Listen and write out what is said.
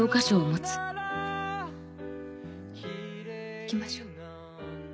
行きましょう。